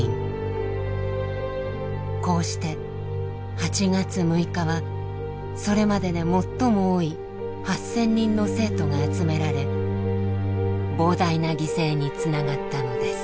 こうして８月６日はそれまでで最も多い８，０００人の生徒が集められ膨大な犠牲につながったのです。